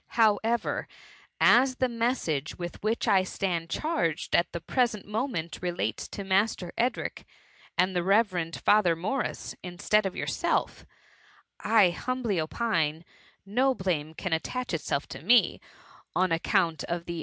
However, as the message with which I stand charged at the present moment, rdates to Master Edric and the revered Father Morris, instead of yourself, I humbly opine, no blame can attach itself to me, on account of the THB MVMMT.